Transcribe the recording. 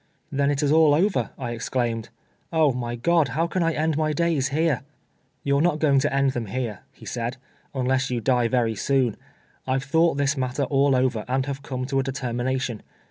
" Then it is all over," I exclaimed. " Oh, my God, how can I end my days here !"" You're not going to end them here," he said, " un less you die very soon. I've thought this matter all over, and have come to a determination.